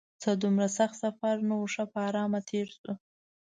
څه دومره سخت سفر نه و، ښه په ارامه تېر شو.